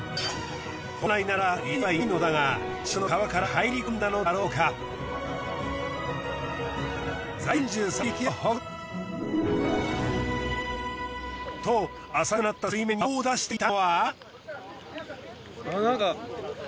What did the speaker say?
本来なら池にはいないのだが近くの川から入り込んだのだろうか。と浅くなった水面に顔を出していたのは。